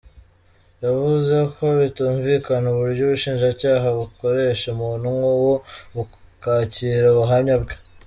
Yavuze ko bitumvikana uburyo ubushinjacyaha bukoresha umuntu nk’uwo bukakira ubuhamya bwe.